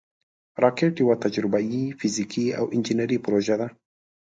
راکټ یوه تجربهاي، فزیکي او انجینري پروژه ده